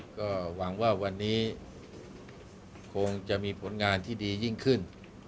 ก็หวังว่าวันนี้คงจะมีผลงานที่ดียิ่งขึ้น